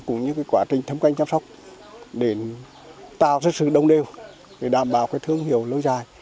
cũng như quá trình thâm canh chăm sóc để tạo ra sự đồng đều để đảm bảo thương hiệu lâu dài